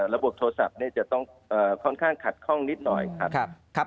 ระบบโทรศัพท์จะต้องค่อนข้างขัดข้องนิดหน่อยครับ